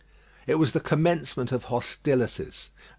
It was the commencement of hostilities.